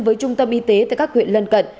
với trung tâm y tế tại các huyện lân cận